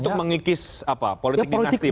untuk mengikis apa politik dinasti maksud anda